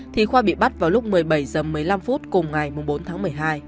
thì khoa bị bắt vào lúc một mươi bảy h một mươi năm cùng ngày bốn tháng một mươi hai